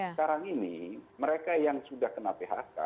sekarang ini mereka yang sudah kena phk